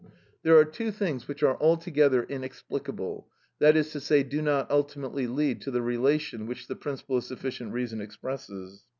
There are two things which are altogether inexplicable,—that is to say, do not ultimately lead to the relation which the principle of sufficient reason expresses.